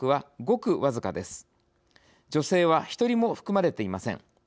女性は１人も含まれていません。